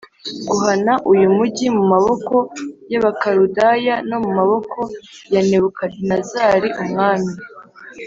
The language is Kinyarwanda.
guhana uyu mugi mu maboko y Abakaludaya no mu maboko ya Nebukadinezari umwami